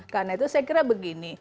karena itu saya kira begini